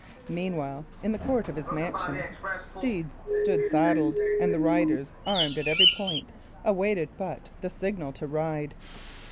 Meanwhile, in the court of his mansion, steeds stood saddled, and the riders, armed at every point, awaited but the signal to ride.